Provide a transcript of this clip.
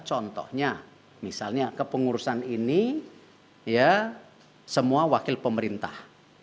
contohnya misalnya kepengurusan ini ya semua wakil pemerintah